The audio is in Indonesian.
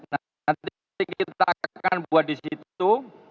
nah nanti kita akan buat disitu